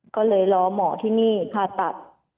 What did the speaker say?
ก็เลยรอหมอที่นี่ผ่าตัด